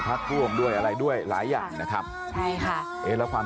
ถ้าพวกเราร่วมมือกัน